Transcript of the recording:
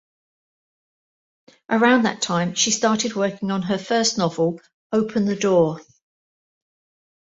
Around that time she started working on her first novel Open the Door!